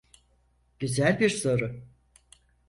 Güzel bir soru.